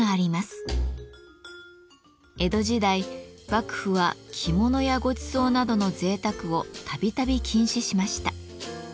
江戸時代幕府は着物やごちそうなどのぜいたくを度々禁止しました。